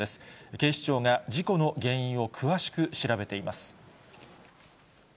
警視庁が事故の原因を詳しく調べています。